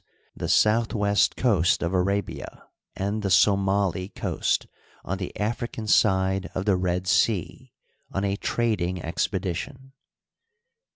e., the south west coast of Arabia and the Somili coast on the African side of the Red Sea— on a trading expedition.